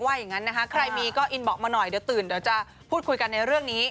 อย่างนั้นนะคะใครมีก็อินบอกมาหน่อยเดี๋ยวตื่นเดี๋ยวจะพูดคุยกันในเรื่องนี้